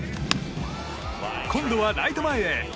今度はライト前へ。